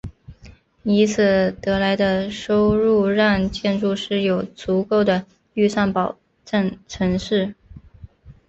以此得来的收入让建筑师有足够的预算保证成事。